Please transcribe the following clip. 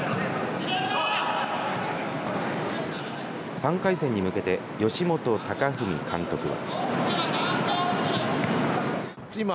３回戦に向けて吉本岳史監督は。